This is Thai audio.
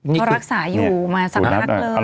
เขารักษาอยู่มาสักพักเลย